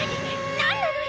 何なのよ！